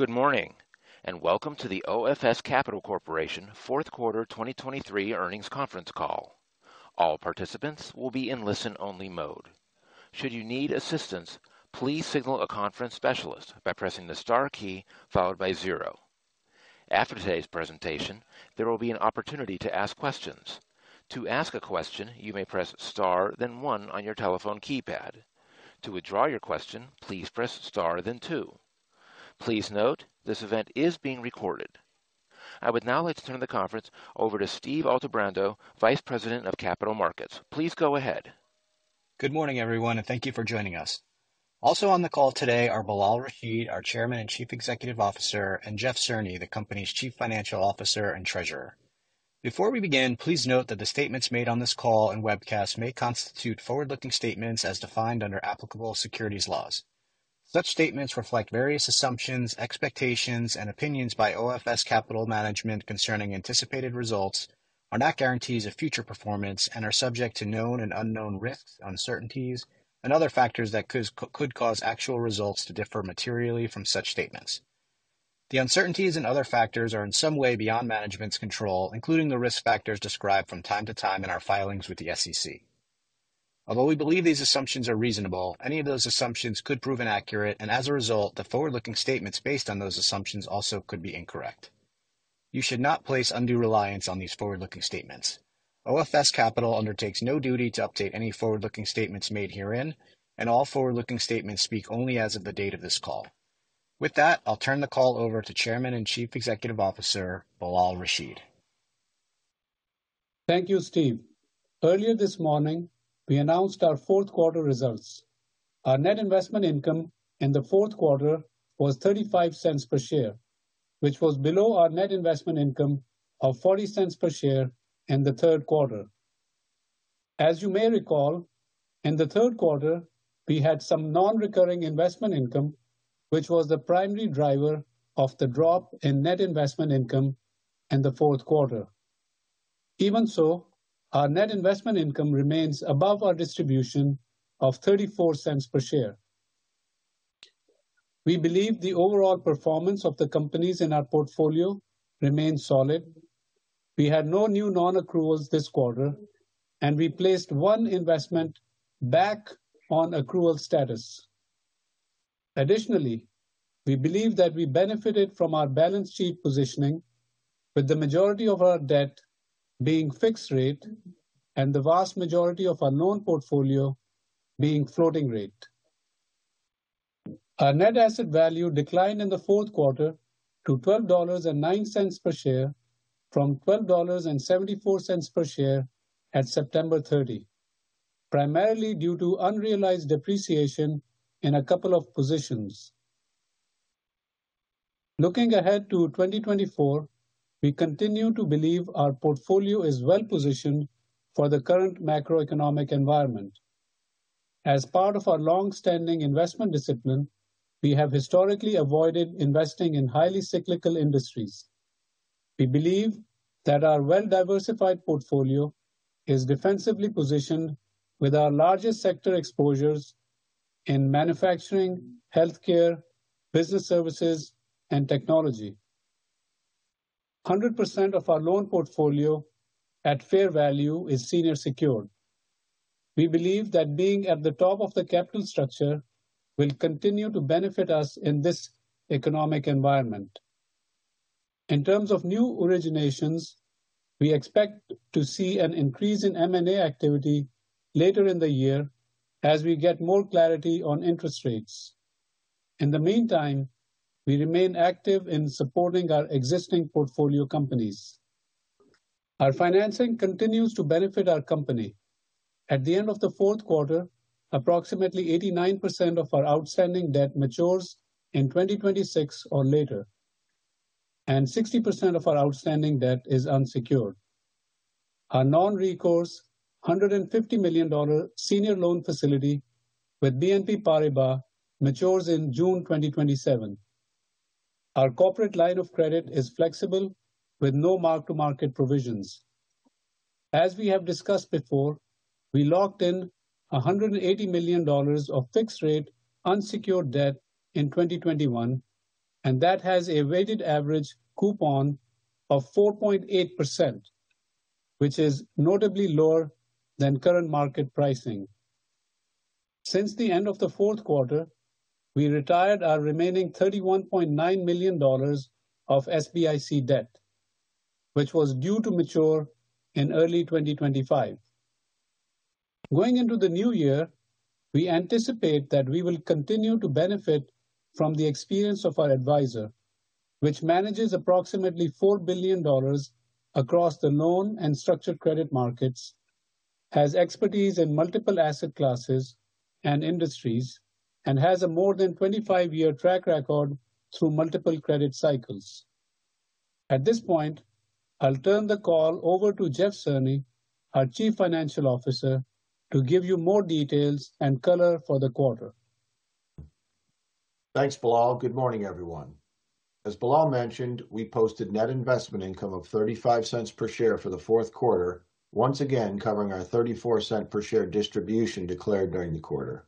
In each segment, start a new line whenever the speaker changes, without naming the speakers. Good morning and welcome to the OFS Capital Corporation 4th Quarter 2023 Earnings Conference call. All participants will be in listen-only mode. Should you need assistance, please signal a conference specialist by pressing the star key followed by 0. After today's presentation, there will be an opportunity to ask questions. To ask a question, you may press star then 1 on your telephone keypad. To withdraw your question, please press star then 2. Please note, this event is being recorded. I would now like to turn the conference over to Steve Altebrando, Vice President of Capital Markets. Please go ahead.
Good morning, everyone, and thank you for joining us. Also on the call today are Bilal Rashid, our Chairman and Chief Executive Officer, and Jeff Cerny, the company's Chief Financial Officer and Treasurer. Before we begin, please note that the statements made on this call and webcast may constitute forward-looking statements as defined under applicable securities laws. Such statements reflect various assumptions, expectations, and opinions by OFS Capital management concerning anticipated results, are not guarantees of future performance, and are subject to known and unknown risks, uncertainties, and other factors that could cause actual results to differ materially from such statements. The uncertainties and other factors are in some way beyond management's control, including the risk factors described from time to time in our filings with the SEC. Although we believe these assumptions are reasonable, any of those assumptions could prove inaccurate, and as a result, the forward-looking statements based on those assumptions also could be incorrect. You should not place undue reliance on these forward-looking statements. OFS Capital undertakes no duty to update any forward-looking statements made herein, and all forward-looking statements speak only as of the date of this call. With that, I'll turn the call over to Chairman and Chief Executive Officer Bilal Rashid.
Thank you, Steve. Earlier this morning, we announced our 4th Quarter results. Our net investment income in the 4th Quarter was $0.35 per share, which was below our net investment income of $0.40 per share in the 3rd Quarter. As you may recall, in the 3rd Quarter, we had some non-recurring investment income, which was the primary driver of the drop in net investment income in the 4th Quarter. Even so, our net investment income remains above our distribution of $0.34 per share. We believe the overall performance of the companies in our portfolio remains solid. We had no new non-accruals this quarter, and we placed one investment back on accrual status. Additionally, we believe that we benefited from our balance sheet positioning, with the majority of our debt being fixed rate and the vast majority of our loan portfolio being floating rate. Our net asset value declined in the 4th Quarter to $12.09 per share from $12.74 per share at September 30, primarily due to unrealized depreciation in a couple of positions. Looking ahead to 2024, we continue to believe our portfolio is well-positioned for the current macroeconomic environment. As part of our long-standing investment discipline, we have historically avoided investing in highly cyclical industries. We believe that our well-diversified portfolio is defensively positioned with our largest sector exposures in manufacturing, healthcare, business services, and technology. 100% of our loan portfolio at fair value is senior secured. We believe that being at the top of the capital structure will continue to benefit us in this economic environment. In terms of new originations, we expect to see an increase in M&A activity later in the year as we get more clarity on interest rates. In the meantime, we remain active in supporting our existing portfolio companies. Our financing continues to benefit our company. At the end of the 4th Quarter, approximately 89% of our outstanding debt matures in 2026 or later, and 60% of our outstanding debt is unsecured. Our non-recourse, $150 million senior loan facility with BNP Paribas matures in June 2027. Our corporate line of credit is flexible, with no mark-to-market provisions. As we have discussed before, we locked in $180 million of fixed-rate unsecured debt in 2021, and that has a weighted average coupon of 4.8%, which is notably lower than current market pricing. Since the end of the 4th Quarter, we retired our remaining $31.9 million of SBIC debt, which was due to mature in early 2025. Going into the new year, we anticipate that we will continue to benefit from the experience of our advisor, which manages approximately $4 billion across the loan and structured credit markets, has expertise in multiple asset classes and industries, and has a more than 25-year track record through multiple credit cycles. At this point, I'll turn the call over to Jeff Cerny, our Chief Financial Officer, to give you more details and color for the quarter.
Thanks, Bilal. Good morning, everyone. As Bilal mentioned, we posted net investment income of $0.35 per share for the 4th Quarter, once again covering our $0.34 per share distribution declared during the quarter.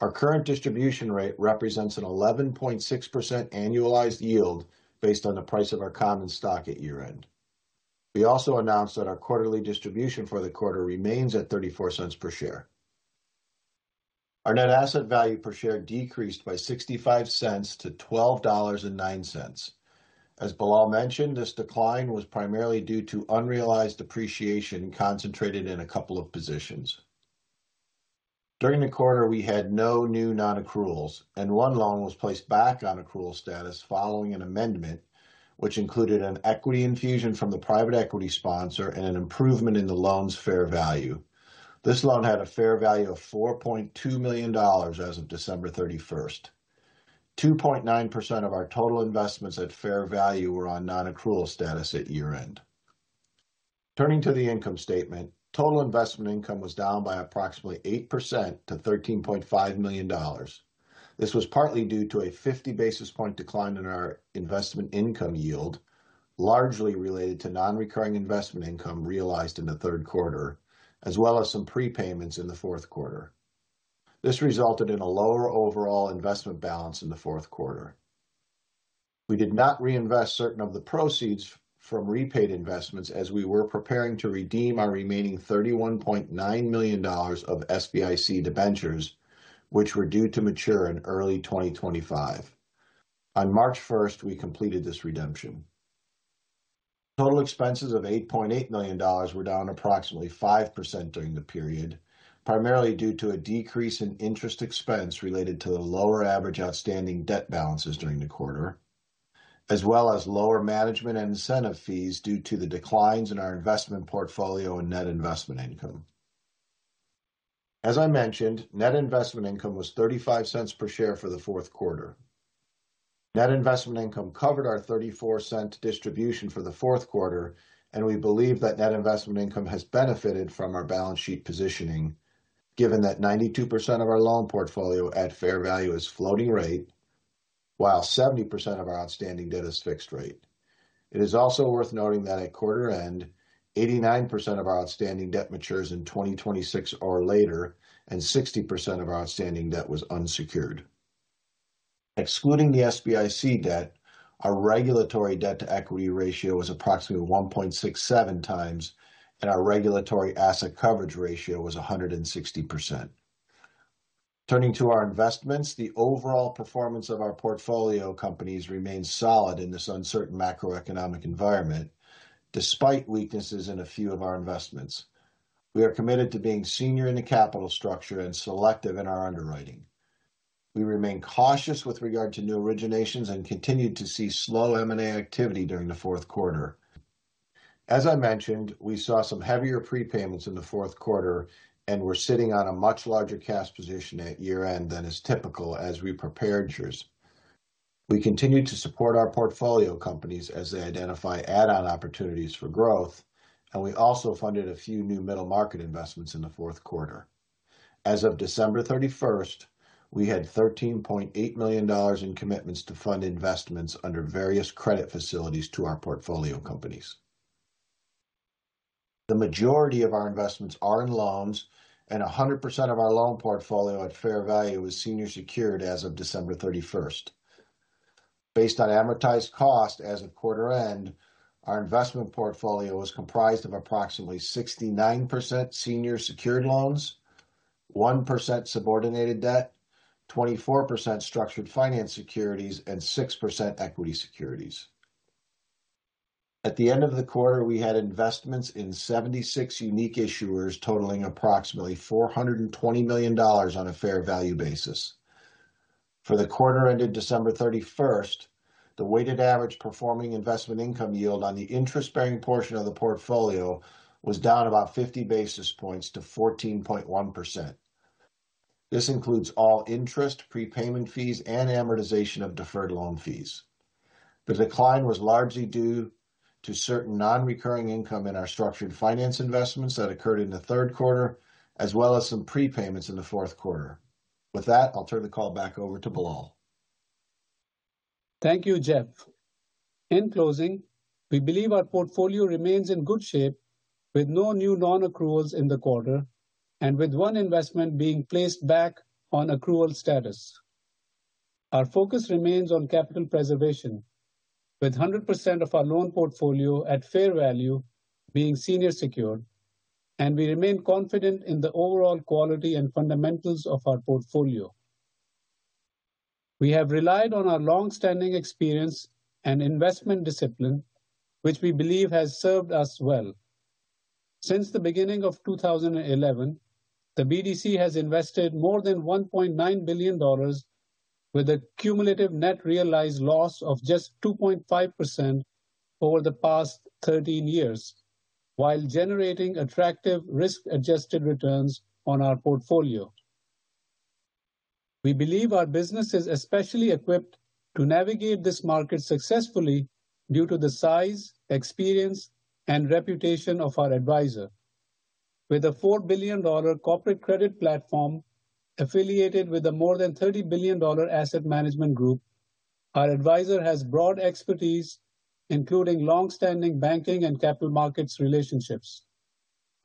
Our current distribution rate represents an 11.6% annualized yield based on the price of our common stock at year-end. We also announced that our quarterly distribution for the quarter remains at $0.34 per share. Our net asset value per share decreased by $0.65 to $12.09. As Bilal mentioned, this decline was primarily due to unrealized depreciation concentrated in a couple of positions. During the quarter, we had no new non-accruals, and one loan was placed back on accrual status following an amendment, which included an equity infusion from the private equity sponsor and an improvement in the loan's fair value. This loan had a fair value of $4.2 million as of December 31. 2.9% of our total investments at fair value were on non-accrual status at year-end. Turning to the income statement, total investment income was down by approximately 8% to $13.5 million. This was partly due to a 50 basis point decline in our investment income yield, largely related to non-recurring investment income realized in the 3rd Quarter, as well as some prepayments in the 4th Quarter. This resulted in a lower overall investment balance in the 4th Quarter. We did not reinvest certain of the proceeds from repaid investments as we were preparing to redeem our remaining $31.9 million of SBIC debentures, which were due to mature in early 2025. On March 1, we completed this redemption. Total expenses of $8.8 million were down approximately 5% during the period, primarily due to a decrease in interest expense related to the lower average outstanding debt balances during the quarter, as well as lower management and incentive fees due to the declines in our investment portfolio and net investment income. As I mentioned, net investment income was $0.35 per share for the fourth quarter. Net investment income covered our $0.34 distribution for the fourth quarter, and we believe that net investment income has benefited from our balance sheet positioning, given that 92% of our loan portfolio at fair value is floating rate, while 70% of our outstanding debt is fixed rate. It is also worth noting that at quarter-end, 89% of our outstanding debt matures in 2026 or later, and 60% of our outstanding debt was unsecured. Excluding the SBIC debt, our regulatory debt-to-equity ratio was approximately 1.67 times, and our regulatory asset coverage ratio was 160%. Turning to our investments, the overall performance of our portfolio companies remains solid in this uncertain macroeconomic environment, despite weaknesses in a few of our investments. We are committed to being senior in the capital structure and selective in our underwriting. We remain cautious with regard to new originations and continue to see slow M&A activity during the 4th Quarter. As I mentioned, we saw some heavier prepayments in the 4th Quarter and were sitting on a much larger cash position at year-end than is typical as we prepared. We continue to support our portfolio companies as they identify add-on opportunities for growth, and we also funded a few new middle-market investments in the 4th Quarter. As of December 31, we had $13.8 million in commitments to fund investments under various credit facilities to our portfolio companies. The majority of our investments are in loans, and 100% of our loan portfolio at fair value was senior secured as of December 31. Based on amortized cost as of quarter-end, our investment portfolio was comprised of approximately 69% senior secured loans, 1% subordinated debt, 24% structured finance securities, and 6% equity securities. At the end of the quarter, we had investments in 76 unique issuers totaling approximately $420 million on a fair value basis. For the quarter-ended December 31, the weighted average performing investment income yield on the interest-bearing portion of the portfolio was down about 50 basis points to 14.1%. This includes all interest, prepayment fees, and amortization of deferred loan fees. The decline was largely due to certain non-recurring income in our structured finance investments that occurred in the 3rd Quarter, as well as some prepayments in the 4th Quarter. With that, I'll turn the call back over to Bilal.
Thank you, Jeff. In closing, we believe our portfolio remains in good shape with no new non-accruals in the quarter and with one investment being placed back on accrual status. Our focus remains on capital preservation, with 100% of our loan portfolio at fair value being senior secured, and we remain confident in the overall quality and fundamentals of our portfolio. We have relied on our longstanding experience and investment discipline, which we believe has served us well. Since the beginning of 2011, the BDC has invested more than $1.9 billion, with a cumulative net realized loss of just 2.5% over the past 13 years, while generating attractive risk-adjusted returns on our portfolio. We believe our business is especially equipped to navigate this market successfully due to the size, experience, and reputation of our advisor. With a $4 billion corporate credit platform affiliated with a more than $30 billion asset management group, our advisor has broad expertise, including longstanding banking and capital markets relationships.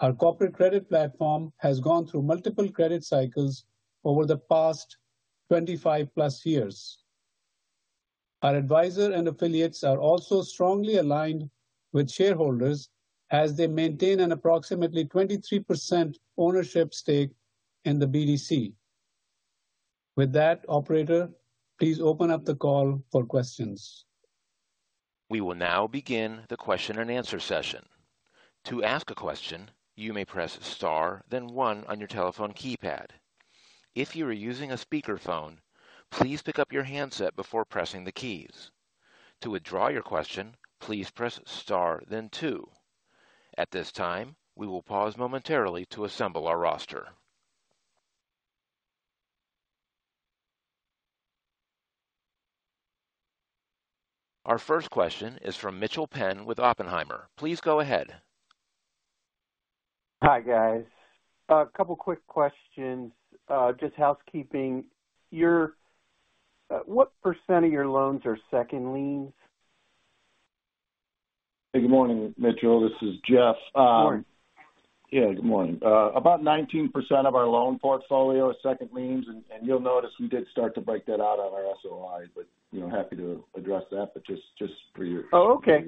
Our corporate credit platform has gone through multiple credit cycles over the past 25-plus years. Our advisor and affiliates are also strongly aligned with shareholders as they maintain an approximately 23% ownership stake in the BDC. With that, operator, please open up the call for questions.
We will now begin the question-and-answer session. To ask a question, you may press * then 1 on your telephone keypad. If you are using a speakerphone, please pick up your handset before pressing the keys. To withdraw your question, please press * then 2. At this time, we will pause momentarily to assemble our roster. Our first question is from Mitchel Penn with Oppenheimer. Please go ahead.
Hi, guys. A couple of quick questions, just housekeeping. What percent of your loans are second liens?
Hey, good morning, Mitchel. This is Jeff.
Good morning.
Yeah, good morning. About 19% of our loan portfolio are second liens, and you'll notice we did start to break that out on our SOI, but happy to address that. But just for your.
Oh, okay.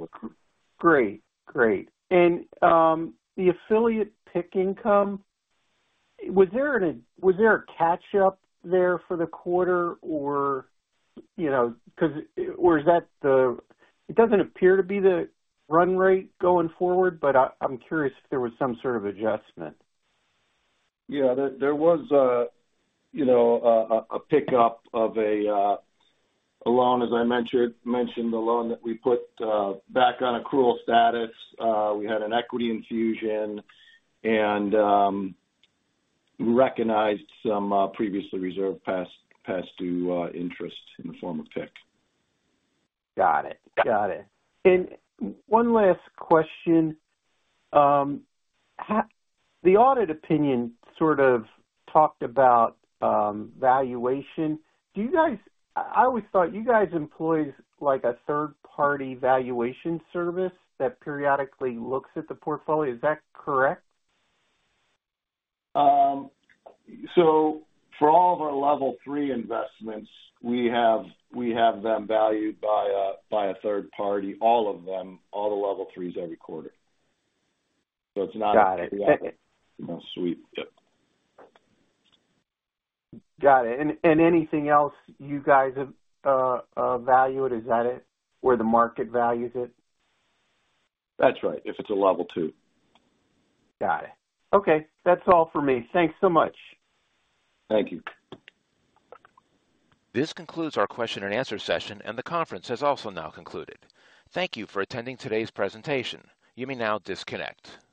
Great. Great. And the affiliate PIK income, was there a catch-up there for the quarter, or? Because it doesn't appear to be the run rate going forward, but I'm curious if there was some sort of adjustment.
Yeah, there was a pickup of a loan, as I mentioned, the loan that we put back on accrual status. We had an equity infusion, and we recognized some previously reserved past-due interest in the form of PIK.
Got it. Got it. One last question. The audit opinion sort of talked about valuation. I always thought you guys employ a third-party valuation service that periodically looks at the portfolio. Is that correct?
So for all of our Level 3 investments, we have them valued by a third party, all of them, all the Level 3s every quarter. So it's not a periodic sweep. Yep.
Got it. And anything else you guys value it? Is that it? Where the market values it?
That's right, if it's a Level 2.
Got it. Okay. That's all for me. Thanks so much.
Thank you.
This concludes our question-and-answer session, and the conference has also now concluded. Thank you for attending today's presentation. You may now disconnect.